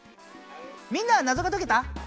みんなは謎が解けた？